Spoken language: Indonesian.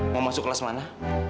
mau masuk kelas mana